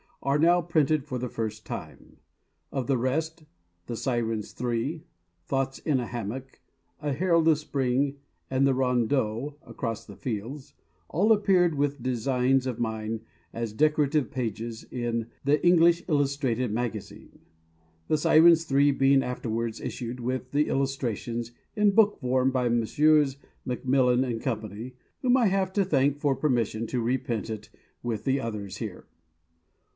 are now printed for the first time. Of the rest, "The Sirens Three," "Thoughts in a Hammock," "A Herald of Spring," and the Rondeau—"Across the Fields," all appeared with designs of mine, as decorative pages, in "The English Illustrated Magazine," "The Sirens Three" being afterwards issued, with the illustrations, in book form, by Messrs. Macmillan and Co., whom I have to thank for permission to reprint it with the others here.